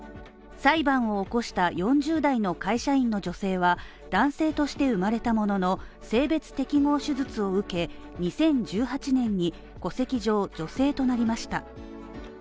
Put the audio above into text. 裁判を起こした４０代の会社員の女性は男性として生まれたものの、性別適合手術を受け、２０１８年に戸籍上、女性となりました。